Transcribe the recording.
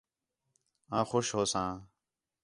آں خوش ہوساں